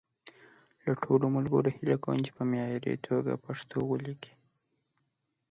له ټولو ملګرو هیله کوم چې په معیاري توګه پښتو وليکي.